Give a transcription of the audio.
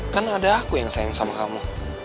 kan ada aku yang sayang sama kamu